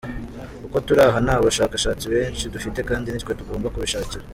Uko turi aha nta bashakashatsi benshi dufite kandi nitwe tugomba kubishakira.